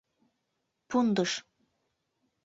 ПУНДЫШ